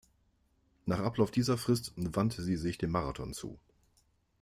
Nach Ablauf dieser Frist wandte sie sich dem Marathon zu.